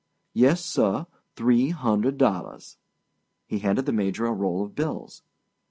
"Yessir—three hundred dollars." He handed the Major a roll of bills.